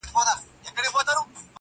او ځينې پوښتني بې ځوابه وي تل،